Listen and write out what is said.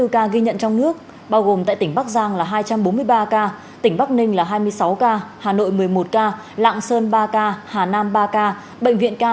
hai trăm tám mươi bốn ca ghi nhận trong nước bao gồm tại tỉnh bắc giang là hai trăm bốn mươi ba ca tỉnh bắc ninh là hai mươi sáu ca hà nội một mươi một ca lạng sơn ba ca hà nam ba ca